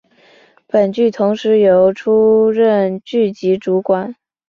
本剧同时由出任剧集主管。